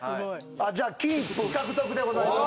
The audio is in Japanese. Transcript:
じゃあ金一封獲得でございます。